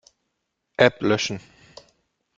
App löschen.